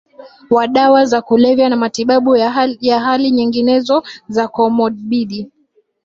wa dawa za kulevya na matibabu ya hali nyinginezo za komobidi